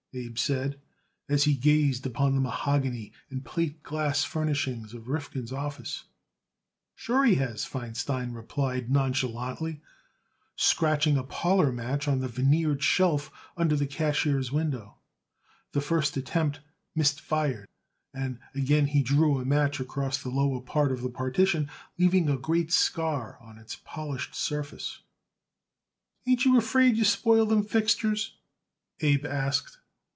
Abe said as he gazed upon the mahogany and plate glass furnishings of Rifkin's office. "Sure he has," Feinstein replied nonchalantly, scratching a parlor match on the veneered shelf under the cashier's window. The first attempt missed fire, and again he drew a match across the lower part of the partition, leaving a great scar on its polished surface. "Ain't you afraid you spoil them fixtures?" Abe asked.